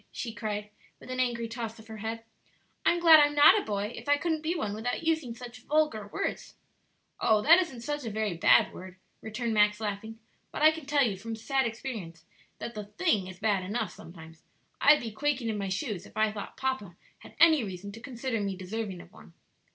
she cried, with an angry toss of her head; "I'm glad I'm not a boy if I couldn't be one without using such vulgar words." "Oh, that isn't such a very bad word," returned Max, laughing; "but I can tell you, from sad experience, that the thing is bad enough sometimes; I'd be quaking in my shoes if I thought papa had any reason to consider me deserving of one."